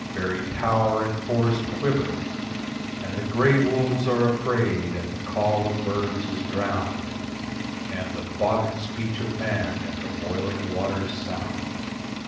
Very tower and forest quiver And the grey wolves are afraid and the call of birds is drowned, And the thought and speech of man in the boiling water's sound.